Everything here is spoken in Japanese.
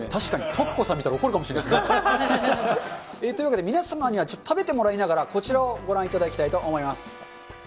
とく子さん見たら怒るかもしれないですね。というわけで、皆様にはちょっと食べてもらいながら、こちらをご覧いただきたいと思います。